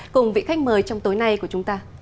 cùng vị khách mời trong tối nay của chúng ta